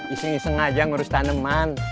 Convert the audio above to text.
iseng iseng aja ngurus tanaman